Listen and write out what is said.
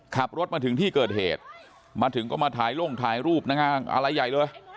ขับรถมาถึงที่เกิดเหตุมาถึงก็มาถ่ายลงถ่ายรูปนะฮะอะไรใหญ่เลย